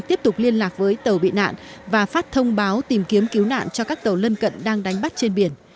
tiếp tục liên lạc với tàu bị nạn và phát thông báo tìm kiếm cứu nạn cho các tàu lân cận đang đánh bắt trên biển